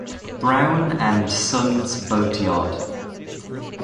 Brown and Sons boatyard.